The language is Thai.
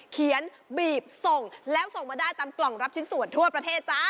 เขียนบีบส่งแล้วส่งมาได้ตามกล่องรับชิ้นส่วนทั่วประเทศจ้า